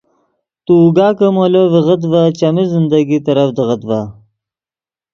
تو اوگا کہ مولو ڤیغت ڤے چیمی زندگی ترڤدیغت ڤے